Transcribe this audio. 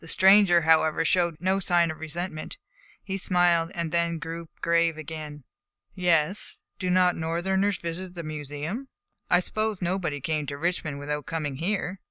The stranger, however, showed no sign of resentment. He smiled, then grew grave again. "Yes. Do not Northerners visit the Museum? I supposed nobody came to Richmond without coming here."